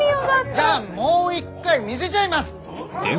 じゃあもう一回見せちゃいます。